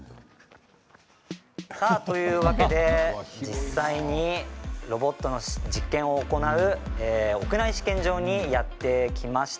さあ、というわけで実際にロボットの実験を行う屋内試験場にやって来ました。